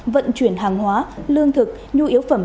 vận chuyển hàng hóa lương thực nhu yếu phẩm